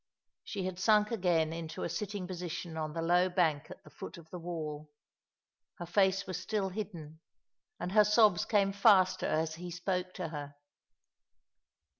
She had sunk again into a sitting position on the low bank at the foot of the wall. Her face was still hidden, and her Bobs came faster as he spoke to her.